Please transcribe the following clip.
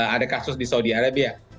ada kasus di saudi arabia